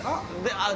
あっ！